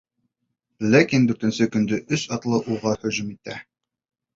Ләкин дүртенсе көндө өс атлы уға һөжүм итә.